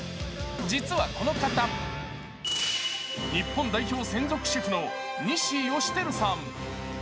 実はこの方、日本代表専属シェフの西芳照さん。